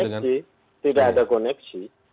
tidak ada koneksi